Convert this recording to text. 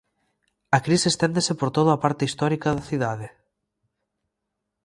A crise esténdese por todo a parte histórica da cidade.